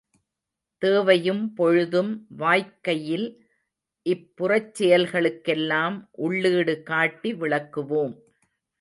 தேவையும் பொழுதும் வாய்க்கையில் இப் புறச்செயல்களுக்கெல்லாம் உள்ளீடு காட்டி விளக்குவோம்.